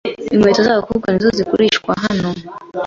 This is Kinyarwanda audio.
Inkweto zabakobwa nizo zigurishwa hano.